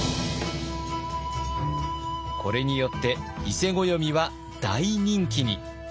これによって伊勢暦は大人気に。